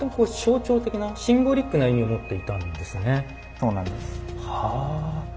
そうなんです。